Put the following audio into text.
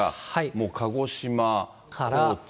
もう鹿児島、高知。